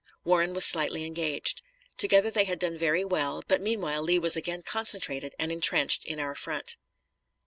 Warren was slightly engaged. Altogether they had done very well, but meanwhile Lee was again concentrated and intrenched in our front.